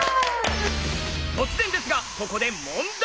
突然ですがここで問題！